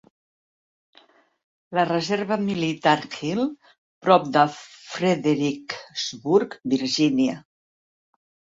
La reserva militar Hill prop de Fredericksburg, Virginia.